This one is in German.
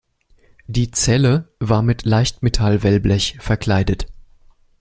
Die Zelle war mit Leichtmetall-Wellblech verkleidet.